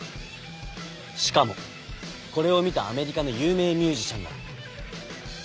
しかもこれを見たアメリカの有名ミュージシャンが。